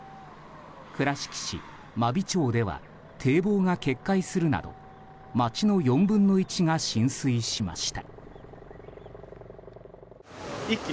倉敷市真備町では堤防が決壊するなど町の４分の１が浸水しました。